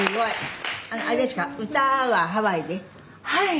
「はい。